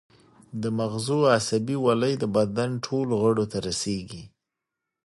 د مغزو عصبي ولۍ د بدن ټولو غړو ته رسیږي